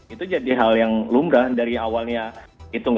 itu jadi hal yang lumrah dari awalnya